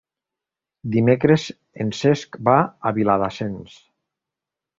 Dimecres en Cesc va a Viladasens.